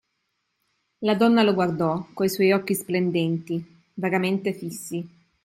La donna lo guardò coi suoi occhi splendenti, vagamente fissi.